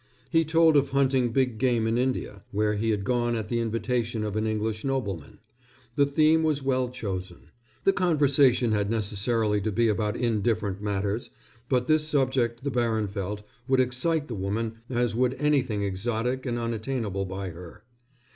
He told of hunting big game in India, where he had gone at the invitation of an English nobleman. The theme was well chosen. The conversation had necessarily to be about indifferent matters, but this subject, the baron felt, would excite the woman as would anything exotic and unattainable by her.